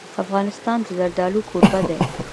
افغانستان د زردالو کوربه دی.